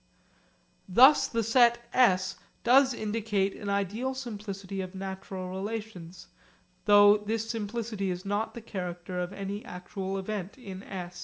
Thus the set s does indicate an ideal simplicity of natural relations, though this simplicity is not the character of any actual event in s.